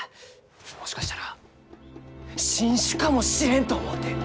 もしかしたら新種かもしれんと思うて！